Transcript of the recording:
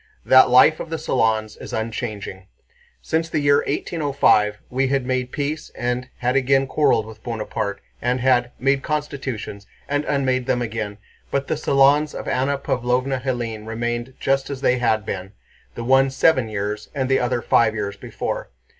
That life of the salons is unchanging. Since the year 1805 we had made peace and had again quarreled with Bonaparte and had made constitutions and unmade them again, but the salons of Anna Pávlovna and Hélène remained just as they had been—the one seven and the other five years before.